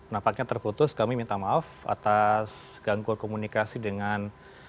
nampaknya terputus kami minta maaf atas gangguan komunikasi dengan